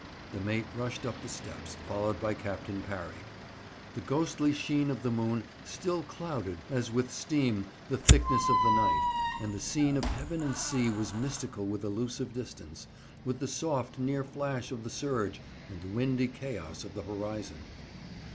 The mate rushed up the steps, followed by Captain Parry. The ghostly sheen of the moon still clouded as with steam the thickness of the night, and the scene of heaven and sea was mystical with elusive distance, with the soft near flash of the surge, and the windy chaos of the horizon.